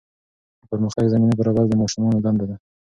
د پرمختګ زمینه برابرول د ماشومانو دنده ده.